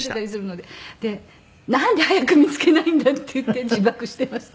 で「なんで早く見つけないんだ」って言って自爆していました。